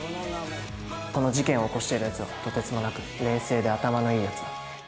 この事件を起こしてるやつは、とてつもなく冷静で頭のいいやつだ。